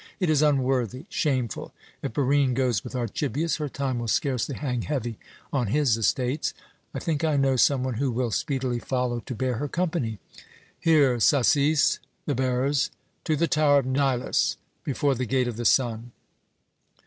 It is unworthy, shameful! If Barine goes with Archibius, her time will scarcely hang heavy on his estates. I think I know some one who will speedily follow to bear her company. Here, Sasis! the bearers! To the Tower of Nilus, before the Gate of the Sun!"